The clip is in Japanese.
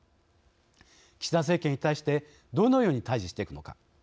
岸田政権に対してどのように対じしていくのか。